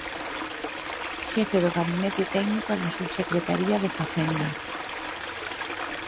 Xefe do Gabinete Técnico da Subsecretaría de Facenda.